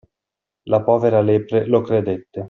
La povera lepre lo credette.